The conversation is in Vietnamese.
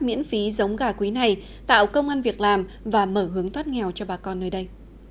miễn phí giống gà quý này tạo công an việc làm và mở hướng thoát nghèo cho bà con nơi đây